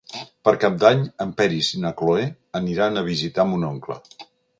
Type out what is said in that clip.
Per Cap d'Any en Peris i na Cloè aniran a visitar mon oncle.